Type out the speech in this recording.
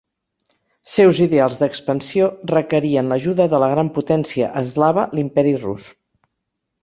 Seus ideals d'expansió requerien l'ajuda de la gran potència eslava, l'Imperi Rus.